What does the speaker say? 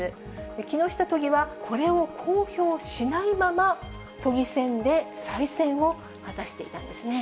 木下都議はこれを公表しないまま、都議選で再選を果たしていたんですね。